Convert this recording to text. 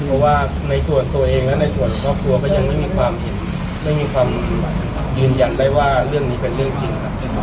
เพราะว่าในส่วนตัวเองและในส่วนของครอบครัวก็ยังไม่มีความเห็นไม่มีความยืนยันได้ว่าเรื่องนี้เป็นเรื่องจริงครับ